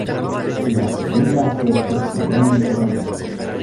La segunda se efectuó en Toronto.